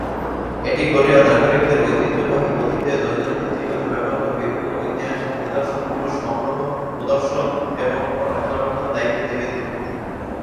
এটি কোরীয় নাগরিকদের ঐতিহ্যবাহী অতীতে দৈনন্দিন জীবনে ব্যবহৃত বিভিন্ন ঐতিহাসিক নিদর্শনগুলো সংগ্রহ, প্রদর্শন এবং রক্ষণাবেক্ষণের দায়িত্বে নিবেদিত।